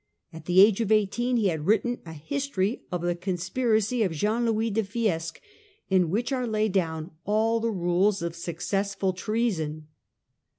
* At the age of eighteen he had written a history of the con spiracy of Jean Louis de Fiesque, in which are laid down all the rules of successful treason.